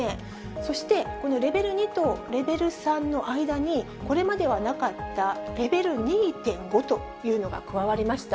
そして、このレベル２とレベル３の間に、これまではなかったレベル２．５というのが加わりました。